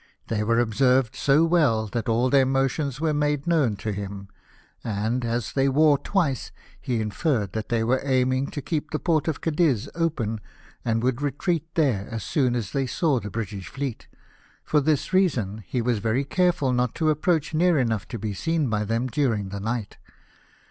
They were observed so well that all their motions were made known to him, and, as they wore twice, he inferred that they were aiming to keep the port of Cadiz open, and would retreat there as soon as they saw the British fleet ; for this reason he was very careful not to approach near enough to be seen by them during the night.